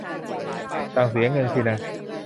สั่งเสียเงินสินะ